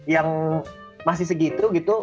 yang masih segitu gitu